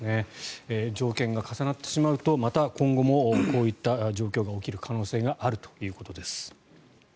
条件が重なってしまうとまた今後もこういった状況が起きる可能性があるということです。